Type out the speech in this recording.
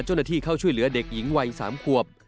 เจ้าหน้าที่เข้าช่วยเหลือเด็กหญิงวัย๓ขวบ